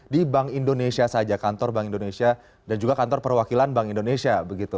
di bank indonesia saja kantor bank indonesia dan juga kantor perwakilan bank indonesia